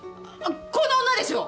この女でしょ！？